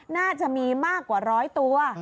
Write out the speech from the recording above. น่าจะมีมากกว่าร้อยตัว